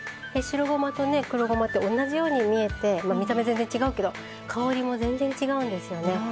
白ごまとね黒ごまって同じように見えてま見た目全然違うけど香りも全然違うんですよね。